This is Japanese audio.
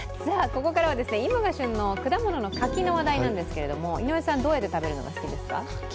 ここからは今が旬の果物の柿の話題なんですけど井上さん、どうやって食べるのが好きですか？